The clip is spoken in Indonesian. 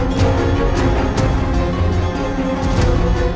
saya akan mencari